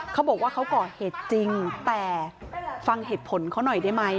เขาบอกว่าเขาก่อเหตุจริงแต่ฟังเหตุผลเขาหน่อยได้ไหม